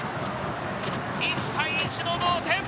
１対１の同点！